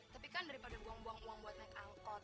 tapi kan daripada buang buang uang buat naik angkot